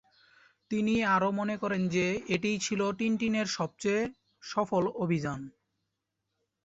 তিনি আরো মনে করেন যে, এটিই ছিল 'টিনটিনের সবচেয়ে সফল অভিযান'।